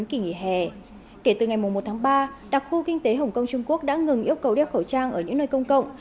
kể từ ngày một tháng ba đặc khu kinh tế hồng kông trung quốc đã ngừng yêu cầu đeo khẩu trang ở những nơi công cộng